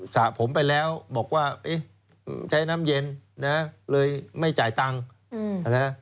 สระผมไปแล้วบอกว่าเอ๊ะใช้น้ำเย็นนะเลยไม่จ่ายตังค์นะ